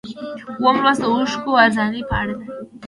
اووم لوست د اوښکو ارزاني په اړه دی.